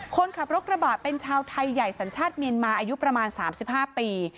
คนขับรถกระบะเป็นชาวไทยใหญ่สัญชาติเมียนมาอายุประมาณ๓๕ปี